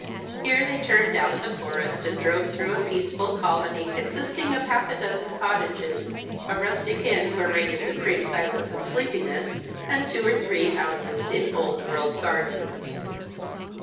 Here they turned out of the Forest and drove through a peaceful colony consisting of half a dozen cottages, a rustic inn where reigned a supreme silence and sleepiness, and two or three houses in old world gardens.